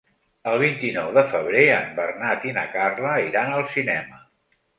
El vint-i-nou de febrer en Bernat i na Carla iran al cinema.